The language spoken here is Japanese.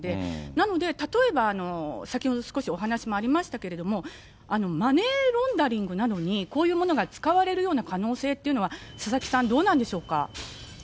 なので、例えば先ほど少しお話もありましたけれども、マネーロンダリングなどに、こういうものが使われるような可能性というのは、佐々木さん、どうなんでしょうか。